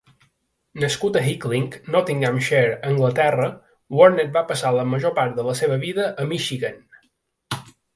Nascut a Hickling, Nottinghamshire, Anglaterra, Warner va passar la major part de la seva vida a Michigan.